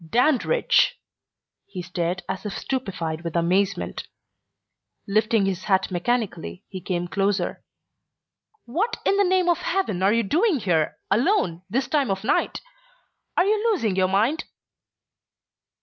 "Dandridge!" He stared as if stupefied with amazement. Lifting his hat mechanically, he came closer. "What in the name of Heaven are you doing here alone this time of night? Are you losing your mind?"